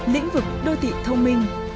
lĩnh vực đô thị thông minh